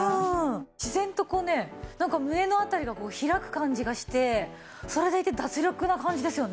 自然とこうねなんか胸の辺りが開く感じがしてそれでいて脱力な感じですよね。